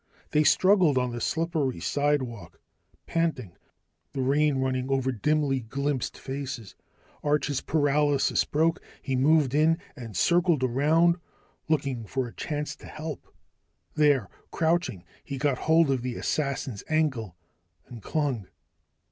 They struggled on the slippery sidewalk, panting, the rain running over dimly glimpsed faces. Arch's paralysis broke, he moved in and circled around, looking for a chance to help. There! Crouching, he got hold of the assassin's ankle and clung.